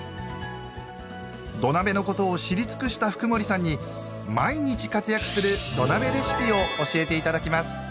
土鍋のことを知り尽くした福森さんに毎日活躍する土鍋レシピを教えて頂きます。